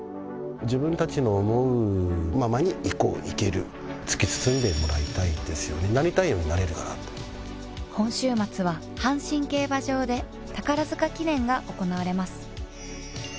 自分たちの想うままに行こう行ける突き進んでもらいたいですよねなりたいようになれるから今週末は阪神競馬場で宝塚記念が行われます